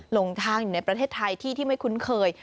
ลงทางอยู่ในประเทศไทยที่ที่ไม่คุ้นเคย